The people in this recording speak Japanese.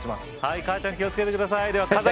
母ちゃん気を付けてください。